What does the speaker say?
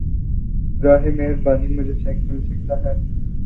براہ مہربانی مجهے چیک مل سکتا ہے